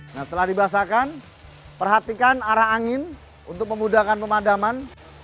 nah telah dibasahkan perhatikan arah angin untuk memudahkan pemadaman